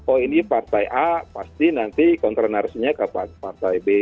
oh ini partai a pasti nanti kontra narasinya ke partai b